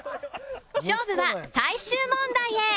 勝負は最終問題へ